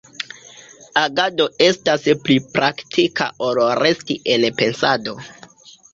Agado estas pli praktika ol resti en pensado.